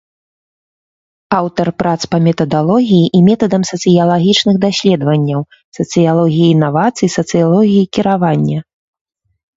Аўтар прац па метадалогіі і метадам сацыялагічных даследаванняў, сацыялогіі інавацый, сацыялогіі кіравання.